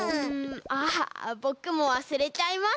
あぼくもわすれちゃいました。